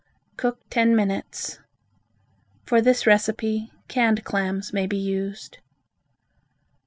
Cook ten minutes. For this recipe, canned clams may be used.